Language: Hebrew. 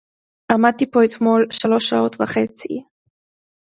עמדתי פה אתמול שלוש שעות וחצי